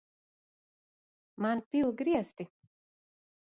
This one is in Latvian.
Man pil griesti!